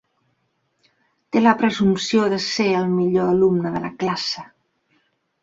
Té la presumpció d'ésser el millor alumne de la classe.